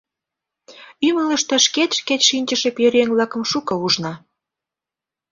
Ӱмылыштӧ шкет-шкет шинчыше пӧръеҥ-влакым шуко ужна.